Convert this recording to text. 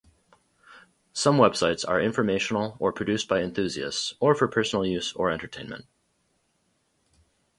Some websites are informational or produced by enthusiasts or for personal use or entertainment.